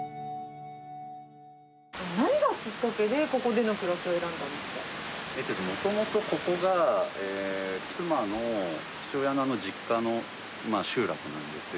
何がきっかけで、ここでの暮もともとここが、妻の父親の実家の集落なんですよ。